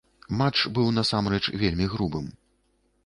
Матч быў насамрэч вельмі грубым.